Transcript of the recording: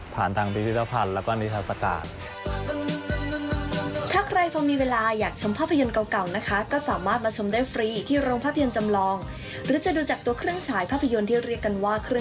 ผ่านทางวิทยาพันธ์แล้วก็วิทยาศกาล